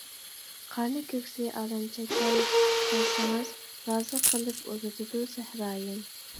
قارنى كۆكسى ئالەمچە كەڭ كەلسىڭىز، رازى قىلىپ ئۇزىتىدۇ سەھرايىم.